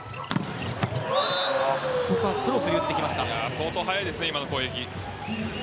相当速いですね攻撃。